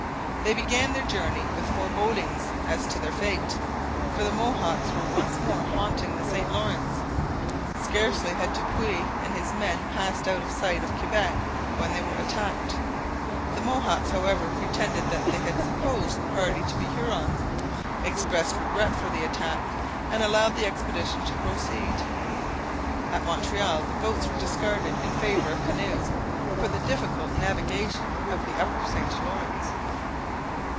They began their journey with forebodings as to their fate, for the Mohawks were once more haunting the St Lawrence. Scarcely had Du Puys and his men passed out of sight of Quebec when they were attacked. The Mohawks, however, pretended that they had supposed the party to be Hurons, expressed regret for the attack, and allowed the expedition to proceed. At Montreal the boats were discarded in favour of canoes for the difficult navigation of the upper St Lawrence.